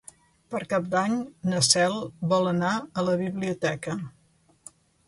Per Cap d'Any na Cel vol anar a la biblioteca.